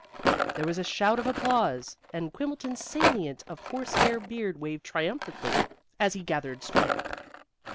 There was a shout of applause, and Quimbleton's salient of horse hair beard waved triumphantly as he gathered strength.